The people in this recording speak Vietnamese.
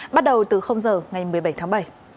bắt đầu từ giờ ngày một mươi bảy tháng bảy